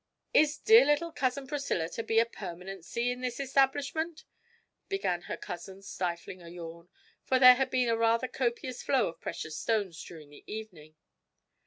'Is dear little cousin Priscilla to be a permanency in this establishment?' began her cousin, stifling a yawn, for there had been a rather copious flow of precious stones during the evening.